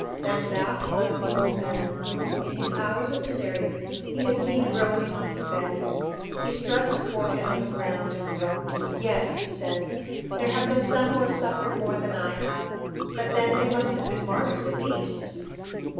Danglars thought of the old man whom, in his hours of delirium, he had seen groaning on his bed. He struck his forehead on the ground and groaned. "Yes," he said, "there have been some who have suffered more than I have, but then they must have been martyrs at least."